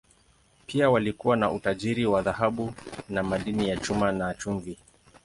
Pia walikuwa na utajiri wa dhahabu na madini ya chuma, na chumvi.